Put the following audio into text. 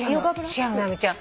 違うの直美ちゃん。